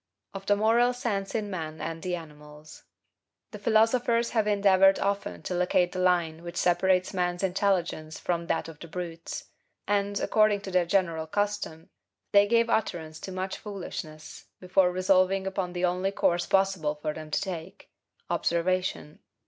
% 1. Of the Moral Sense in Man and the Animals. The philosophers have endeavored often to locate the line which separates man's intelligence from that of the brutes; and, according to their general custom, they gave utterance to much foolishness before resolving upon the only course possible for them to take, observation.